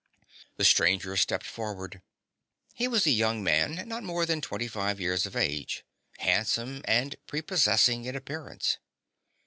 The stranger stepped forward. He was a young man, not more than twenty five years of age, handsome and prepossessing in appearance.